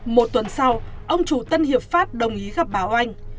một tuần sau ông chủ tân hiệp pháp đồng ý gặp báo anh